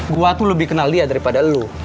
gue tuh lebih kenal dia daripada lo